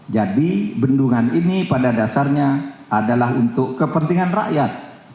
jadi bendungan ini pada dasarnya adalah untuk kepentingan rakyat